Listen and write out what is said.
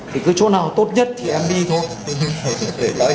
thì cứ chỗ nào tốt nhất thì em đi thôi